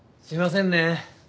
すいませんね。